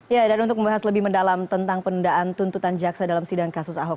ya dan untuk membahas lebih mendalam tentang penundaan tuntutan jaksa dalam sidang kasus ahok